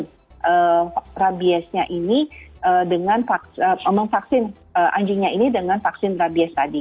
karena rabiesnya ini dengan memang vaksin anjingnya ini dengan vaksin rabies tadi